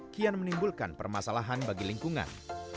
kian menimbulkan permasalahan bagi lingkungan